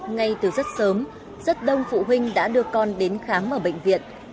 ngay từ rất sớm rất đông phụ huynh đã đưa con đến khám ở bệnh viện